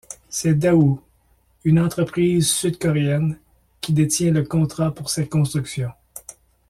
C'est Daewoo, une entreprise sud-coréenne, qui détient le contrat pour ces constructions.